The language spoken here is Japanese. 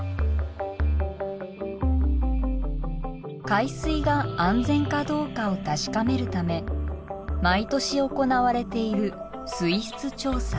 海水が安全かどうかを確かめるため毎年行われている水質調査。